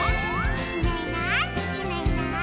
「いないいないいないいない」